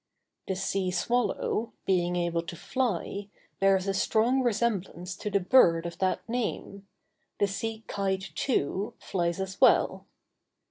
The sea swallow, being able to fly, bears a strong resemblance to the bird of that name; the sea kite, too, flies as well.